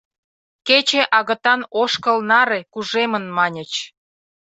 Кече агытан ошкыл наре кужемын маньыч.